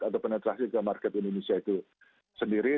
atau penetrasi ke market indonesia itu sendiri